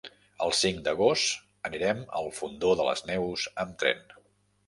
El cinc d'agost anirem al Fondó de les Neus amb tren.